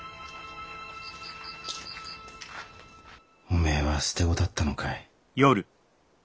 お前は捨て子だったのかい。